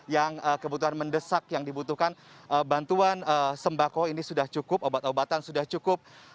yang kebutuhan mendesak yang dibutuhkan bantuan sembako ini sudah cukup obat obatan sudah cukup